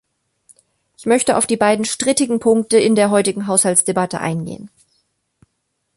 Ich möchte auf die beiden strittigen Punkte in der heutigen Haushaltsdebatte eingehen.